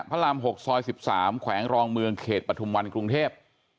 พระรามหกซอยสิบสามแขวงรองเมืองเขตปฐมวันกรุงเทพฯ